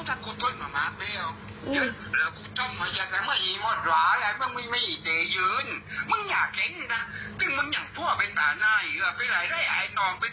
ลาก่อนไม่ไม่เขียวตั้งไปเลยตั้งไปเลย